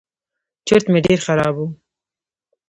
چورت مې ډېر خراب و.